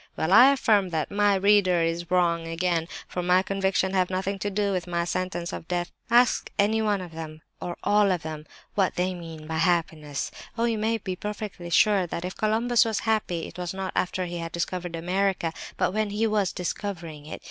Well, I affirm that my reader is wrong again, for my convictions have nothing to do with my sentence of death. Ask them, ask any one of them, or all of them, what they mean by happiness! Oh, you may be perfectly sure that if Columbus was happy, it was not after he had discovered America, but when he was discovering it!